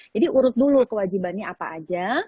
jadi urut dulu kewajibannya apa aja